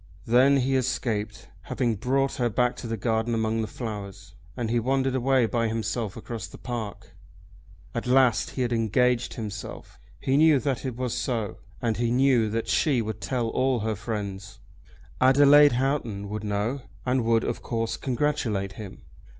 Then he escaped, having brought her back to the garden among the flowers, and he wandered away by himself across the park. At last he had engaged himself. He knew that it was so, and he knew that she would tell all her friends. Adelaide Houghton would know, and would, of course, congratulate him.